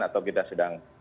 atau kita sedang